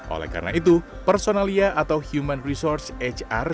oleh karena itu personalia atau human resource hr justru berharap agar perusahaan itu bisa berjaya